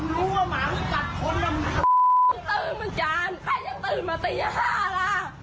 ตื่นเมื่อกี้ใครจะตื่นมาตีห้าล่ะ